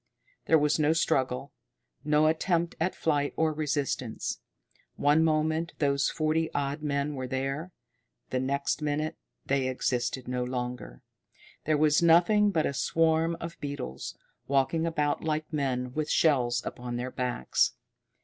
There was no struggle, no attempt at flight or resistance. One moment those forty odd men were there the next minute they existed no longer. There was nothing but a swarm of beetles, walking about like men with shells upon their backs.